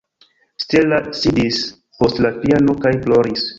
Stella sidis post la piano kaj ploris.